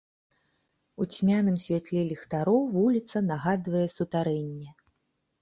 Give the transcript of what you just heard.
У цьмяным святле ліхтароў вуліца нагадвае сутарэнне.